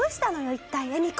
一体恵美子」。